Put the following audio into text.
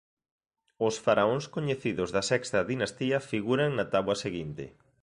Os faraóns coñecidos da Sexta Dinastía figuran na táboa seguinte.